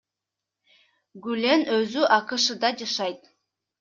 Гүлен өзү АКШда жашайт.